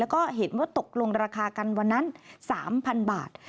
แล้วก็เห็นว่าตกลงราคากันวันนั้น๓๐๐๐บาท